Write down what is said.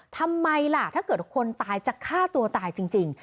ทำไมล่ะถ้าเกิดคนตายจะฆ่าตัวตายจริง